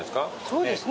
そうですね。